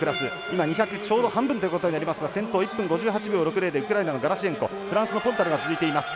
今２００、ちょうど半分ということになりますが先頭１分５８秒６０でウクライナのガラシェンコフランスのポルタルが続いています。